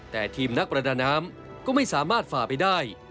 แต่ทีมนักประดาน้ำก็ไม่สามารถฝ่าไปได้